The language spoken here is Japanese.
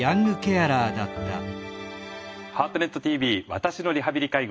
「ハートネットＴＶ私のリハビリ・介護」。